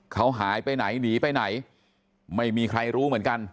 เขาหายไปไหนหนีไปไหนไม่มีใครรู้เหมือนกัน